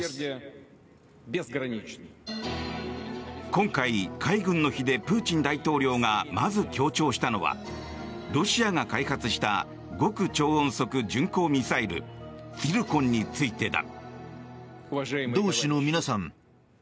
今回、海軍の日でプーチン大統領がまず強調したのはロシアが開発した極超音速巡航ミサイルツィルコンについてだ。